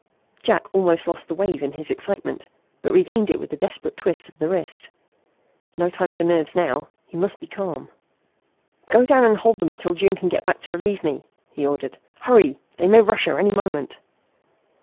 Jack almost lost the wave in his excitement, but regained it with a desperate twist of the wrist. No time for nerves now. He must be calm! "Go down and hold them until June can get back to relieve me," he ordered. "Hurry. They may rush her any moment."